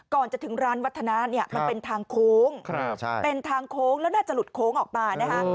ก่อนจะถึงร้านวัฒนะเนี่ยมันเป็นทางโค้งเป็นทางโค้งแล้วน่าจะหลุดโค้งออกมานะคะ